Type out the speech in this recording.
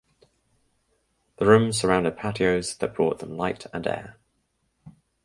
The rooms surrounded patios that brought them light and air.